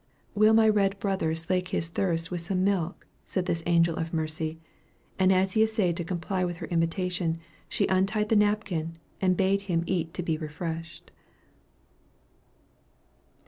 "Will my red brother slake his thirst with some milk?" said this angel of mercy; and as he essayed to comply with her invitation, she untied the napkin, and bade him eat and be refreshed.